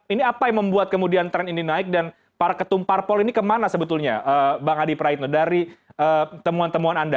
ini apa yang membuat kemudian tren ini naik dan para ketum parpol ini kemana sebetulnya bang adi praitno dari temuan temuan anda